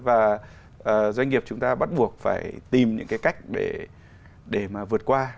và doanh nghiệp chúng ta bắt buộc phải tìm những cái cách để mà vượt qua